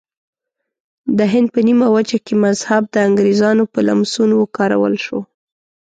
د هند په نیمه وچه کې مذهب د انګریزانو په لمسون وکارول شو.